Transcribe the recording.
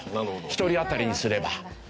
一人当たりにすれば。